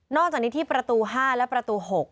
นอกจากนิติประตู๕และประตู๖